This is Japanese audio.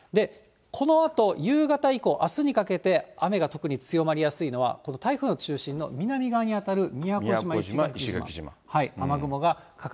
このあと夕方以降、あすにかけて、雨が特に強まりやすいのは台風の中心の南側に当たる宮古島、石垣島。